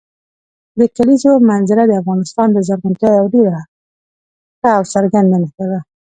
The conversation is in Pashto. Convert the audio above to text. د کلیزو منظره د افغانستان د زرغونتیا یوه ډېره ښه او څرګنده نښه ده.